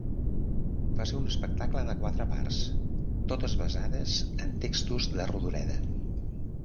Va ser un espectacle de quatre parts, totes basades en textos de Rodoreda.